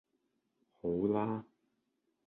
好啦